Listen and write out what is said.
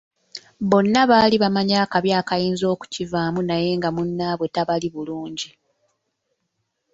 Bonna baali bamanyi akabi akayinza okukivaamu naye nga munnaabwe tabali bulungi.